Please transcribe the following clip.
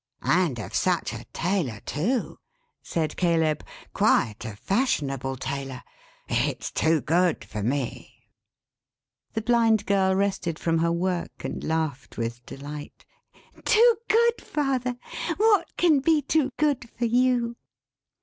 "And of such a tailor, too," said Caleb. "Quite a fashionable tailor. It's too good for me." The Blind Girl rested from her work, and laughed with delight. "Too good, father! What can be too good for you?"